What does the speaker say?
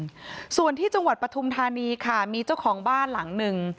ส่วนที่จังหวัดปฐุมธานีค่ะมีเจ้าของบ้านหลังหนึ่ง